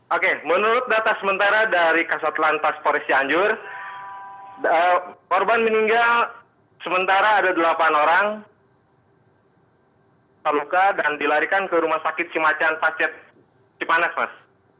oke menurut data sementara dari kasat lantas polres cianjur korban meninggal sementara ada delapan orang terluka dan dilarikan ke rumah sakit cimacan pacet cipanas mas